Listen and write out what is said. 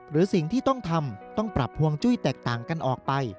หรือสิ่งที่ต้องทำต้องปรับฮวงจุ้ยแตกต่างกันออกไป